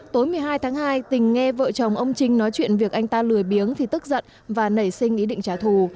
tối một mươi hai tháng hai tình nghe vợ chồng ông trinh nói chuyện việc anh ta lười biếng thì tức giận và nảy sinh ý định trả thù